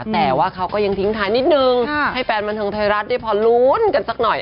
แต่ว่าเขาก็ยังทิ้งท้ายนิดนึงให้แฟนบันเทิงไทยรัฐได้พอลุ้นกันสักหน่อย